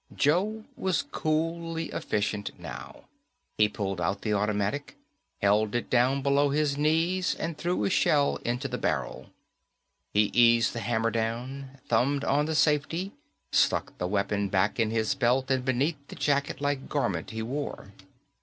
Joe was coolly efficient now. He pulled out the automatic, held it down below his knees and threw a shell into the barrel. He eased the hammer down, thumbed on the safety, stuck the weapon back in his belt and beneath the jacketlike garment he wore.